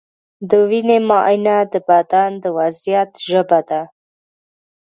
د وینې معاینه د بدن د وضعیت ژبه ده.